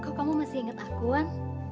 kok kamu masih ingat aku kan